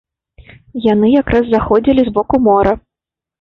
Яны якраз заходзілі з боку мора.